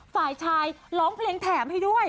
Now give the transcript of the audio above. ฝ่ายชายร้องเพลงแถมให้ด้วย